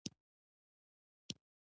ډيپلوماسي د اړیکو د رغولو هنر دی.